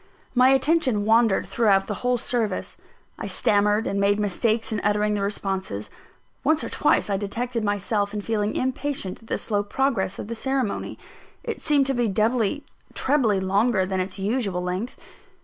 My attention wandered throughout the whole service. I stammered and made mistakes in uttering the responses. Once or twice I detected myself in feeling impatient at the slow progress of the ceremony it seemed to be doubly, trebly longer than its usual length.